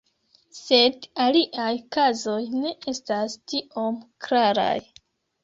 Sed aliaj kazoj ne estas tiom klaraj.